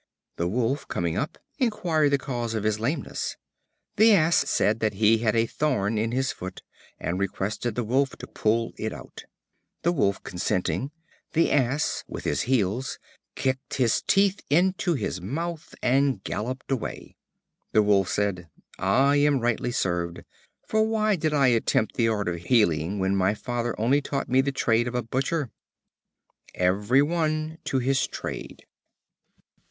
The Wolf, coming up, inquired the cause of his lameness. The Ass said that he had a thorn in his foot, and requested the Wolf to pull it out. The Wolf consenting, the Ass with his heels kicked his teeth into his mouth, and galloped away. The Wolf said: "I am rightly served, for why did I attempt the art of healing, when my father only taught me the trade of a butcher?" Every one to his trade.